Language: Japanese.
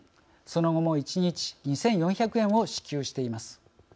その後も１日２４００円を支給しています。